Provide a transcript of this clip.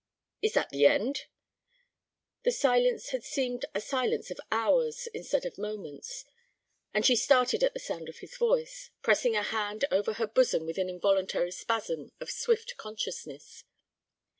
"Is that the end?" The silence had seemed a silence of hours instead of moments, and she started at the sound of his voice, pressing a hand over her bosom with an involuntary spasm of swift consciousness.